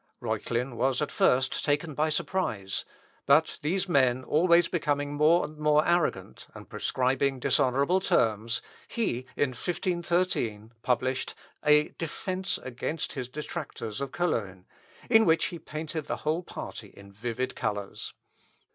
Reuchlin was at first taken by surprise; but these men always becoming more and more arrogant, and prescribing dishonourable terms, he, in 1513, published a "Defence against his Detractors of Cologne," in which he painted the whole party in vivid colours.